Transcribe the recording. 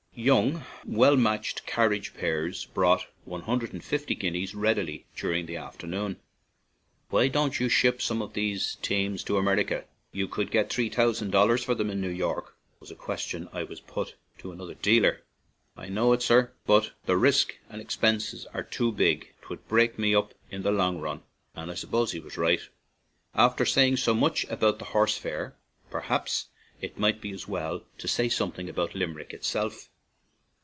Young, well matched carriage pairs brought one hundred and fifty guineas 119 ON AN IRISH JAUNTING CAR readily, during the afternoon. "Why don't you ship some of these teams to America? You could get three thousand dollars for them in New York/' was a question I put to another dealer. "I know it, sir, but the risk and ex pense are too big; 'twould break me up in the long run/' And I suppose he was right. After saying so much about the horse fair, perhaps it might be as well to say something about Limerick itself.